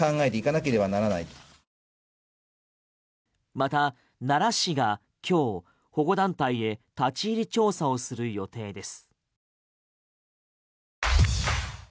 また奈良市が今日、保護団体へ立ち入り調査をする予定です。